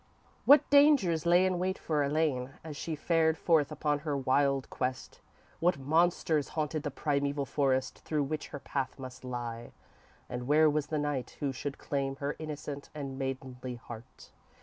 _ _What dangers lay in wait for Elaine as she fared forth upon her wild quest? What monsters haunted the primeval forests through which her path must lie? And where was the knight who should claim her innocent and maidenly heart?